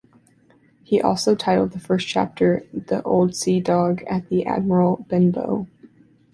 He also titled the first chapter "The Old Sea Dog at the Admiral Benbow".